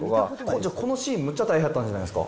じゃあ、このシーン、むっちゃ大変だったんじゃないんですか。